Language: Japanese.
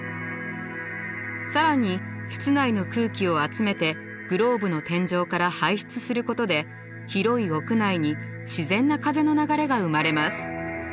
更に室内の空気を集めてグローブの天井から排出することで広い屋内に自然な風の流れが生まれます。